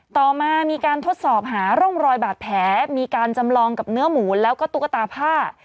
ต่อมามีการทดสอบหาร่องรอยบาดแผลมีการจำลองกับเนื้อหมูแล้วก็ตุ๊กตาผ้า